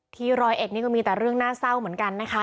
ร้อยเอ็ดนี่ก็มีแต่เรื่องน่าเศร้าเหมือนกันนะคะ